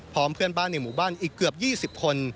พร้อมเพื่อนบ้านในหมู่บ้านอีกเกือบ๒๐คน